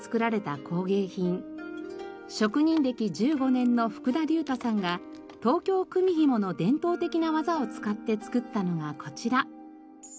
職人歴１５年の福田隆太さんが東京くみひもの伝統的な技を使って作ったのがこちら。